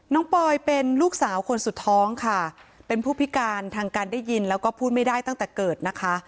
ปอยเป็นลูกสาวคนสุดท้องค่ะเป็นผู้พิการทางการได้ยินแล้วก็พูดไม่ได้ตั้งแต่เกิดนะคะ